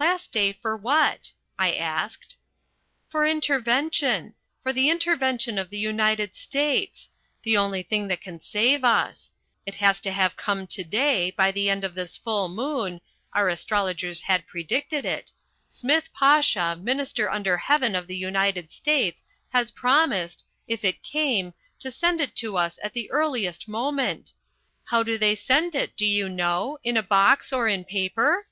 "Last day for what?" I asked. "For intervention. For the intervention of the United States. The only thing that can save us. It was to have come to day, by the end of this full moon our astrologers had predicted it Smith Pasha, Minister under Heaven of the United States, had promised, if it came, to send it to us at the earliest moment. How do they send it, do you know, in a box, or in paper?"